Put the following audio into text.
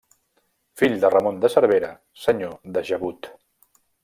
Fill de Ramon de Cervera, senyor de Gebut.